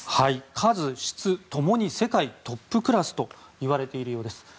数、質共に世界トップクラスといわれているようです。